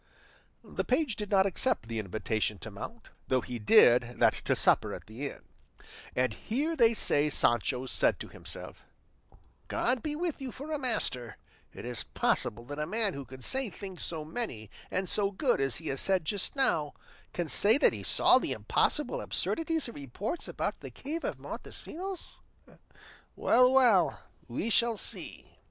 The page did not accept the invitation to mount, though he did that to supper at the inn; and here they say Sancho said to himself, "God be with you for a master; is it possible that a man who can say things so many and so good as he has said just now, can say that he saw the impossible absurdities he reports about the cave of Montesinos? Well, well, we shall see."